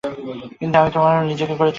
কিন্তু আমি তোমার নিজেকে গড়ে দিতে পারব না।